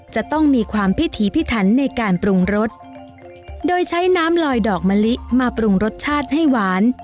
จะต้องมีความพิถีพิถันในการปรุงรสโดยใช้น้ำลอยดอกมะลิมาปรุงรสชาติให้หวาน